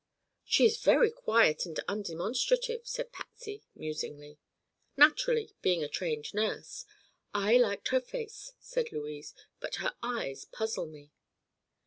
"She's very quiet and undemonstrative," said Patsy musingly. "Naturally, being a trained nurse. I liked her face," said Louise, "but her eyes puzzle me."